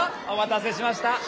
お待たせしました。